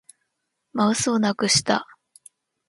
マウスをなくした